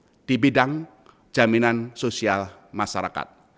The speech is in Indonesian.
perlu tambahan anggaran untuk di bidang jaminan sosial masyarakat